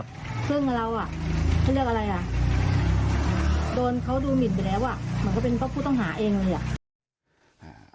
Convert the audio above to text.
โดนเขาดูหมีดไว้แล้วอะมันก็เป็นพวกผู้ต้องหาเองอย่างเงี้ย